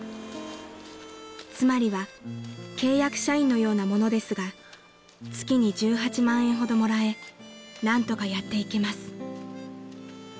［つまりは契約社員のようなものですが月に１８万円ほどもらえ何とかやっていけます］